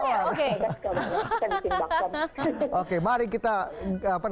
suka banget suka disini bakwan